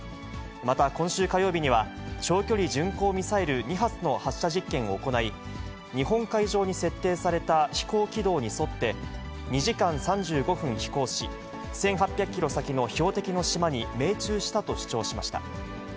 また、今週火曜日には、長距離巡航ミサイル２発の発射実験を行い、日本海上に設定された飛行軌道に沿って、２時間３５分飛行し、１８００キロ先の標的の島に命中したと主張しました。